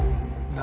何？